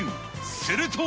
すると。